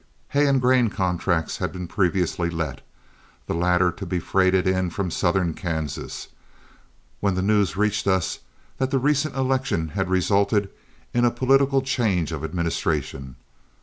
Hay and grain contracts had been previously let, the latter to be freighted in from southern Kansas, when the news reached us that the recent election had resulted in a political change of administration.